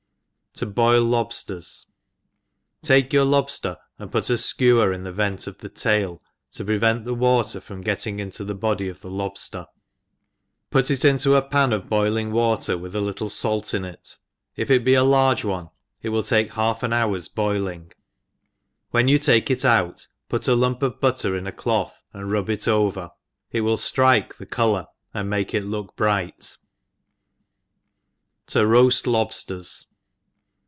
To boil Lobsters. TAKE your lobfter, and put a fkewcr in the vent of the tail, to prevent the v^rater from get ting into the body of the* lobfter, put it into a pan of boiling water, ^^ith a little (alt in it, if it ^ be a large one it will take half an hour's boiling^ when you take it out, put a lump of butter in a cloth, and rub it over, it will ftrike the colour, and make it look bright. To roqft Lobsters.